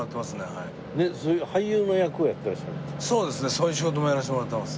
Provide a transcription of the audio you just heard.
そういう仕事もやらせてもらってます。